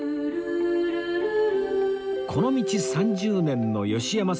この道３０年の吉山さんが作る